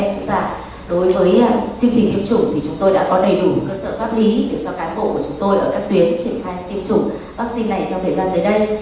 đối với chương trình tiêm chủng thì chúng tôi đã có đầy đủ cơ sở pháp lý để cho cán bộ của chúng tôi ở các tuyến triển khai tiêm chủng vaccine này trong thời gian tới đây